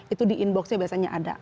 itu di inboxnya biasanya ada